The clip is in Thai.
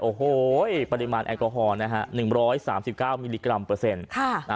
โอ้โหปริมาณแอลกอฮอล์นะฮะ๑๓๙มิลลิกรัมเปอร์เซ็นต์